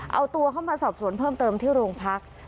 เอาตัวเข้ามาสอบสวนเพิ่มเติมที่โรงพัก